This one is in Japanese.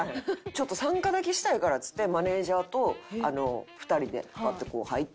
ちょっと参加だけしたいからっつってマネジャーと２人でバッてこう入って。